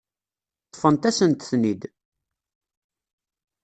Ṭṭfent-asent-ten-id.